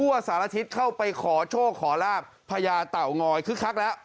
สารอาทิตย์เข้าไปขอโชคขอลาบพญาเต่างอยคึกคักแล้ว